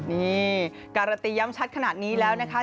นี่การันตีย้ำชัดขนาดนี้แล้วนะคะ